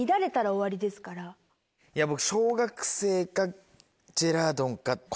いや僕。